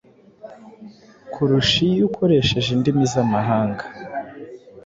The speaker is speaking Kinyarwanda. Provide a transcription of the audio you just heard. kurusha iyo ukoresheje indimi z’amahanga.